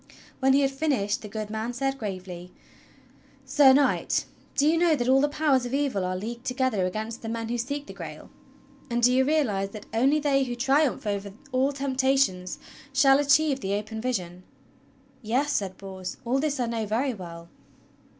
When he had finished the good man said gravely: "Sir Knight, do you know that all the powers of evil are leagued 124 THE STORY OF KING ARTHUR together against the men who seek the Grail? And do you realize that only they who triumph over all temptations shall achieve the open vision?" "Yes," said Bors, "all this I know very well."